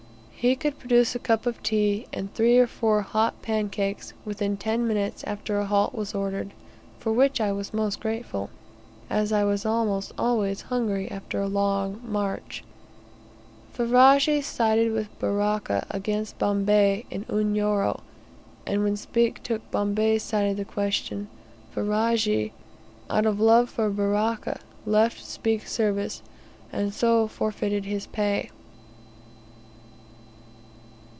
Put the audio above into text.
He could produce a cup of tea, and three or four hot pancakes, within ten minutes after a halt was ordered, for which I was most grateful, as I was almost always hungry after a long march. Ferajji sided with Baraka against Bombay in Unyoro, and when Speke took Bombay's side of the question, Ferajji, out of love for Baraka, left Speke's service, and so forfeited his pay.